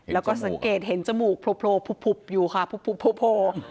แล้วก็สังเกตเห็นจมูกโผล่บอยู่ค่ะโพล